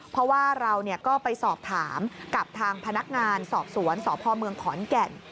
เพราะว่าเราก็ไปสอบถามกับทางพนักงานสอบสวนสพเมืองขอนแก่น